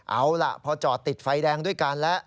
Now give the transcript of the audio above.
เอาล่ะพอจอดติดไฟแดงด้วยกันแล้ว